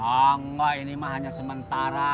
enggak ini mah hanya sementara